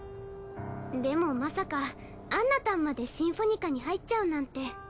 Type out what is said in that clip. でもまさかアンナたんまでシンフォニカに入っちゃうなんて。